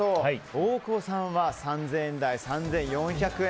大久保さんは３０００円台３４００円。